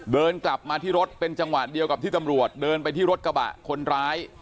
เดินกลับมาที่รถเป็นจังหวะเดียวกับที่ตำรวจเดินไปที่รถกระบะคนร้าย